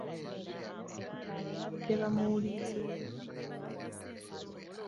Yasabye abaabadde bamuwuliriza obutakoowa.